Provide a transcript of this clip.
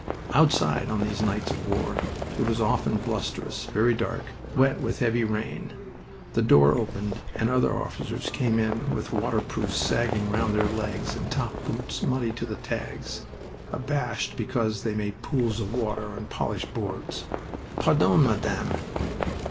Outside, on these nights of war, it was often blusterous, very dark, wet with heavy rain. The door opened, and other officers came in with waterproofs sagging round their legs and top boots muddy to the tags, abashed because they made pools of water on polished boards. "Pardon, Madame."